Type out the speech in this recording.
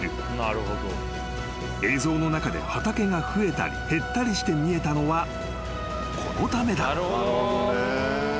［映像の中で畑が増えたり減ったりして見えたのはこのためだ］